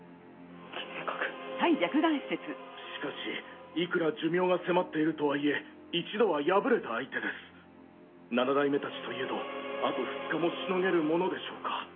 しかしいくら寿命が迫っているとはいえ一度は敗れた相手です七代目たちといえどあと２日もしのげるものでしょうか。